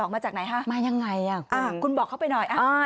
มาจากไหนฮะคุณบอกเข้าไปหน่อยค่ะอ้าว